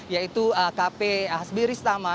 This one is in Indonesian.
yaitu kp hasbiristama